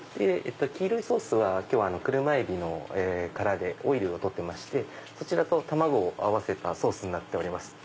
黄色いソースは今日は車海老の殻でオイルを取ってそちらと卵を合わせたソースになっております。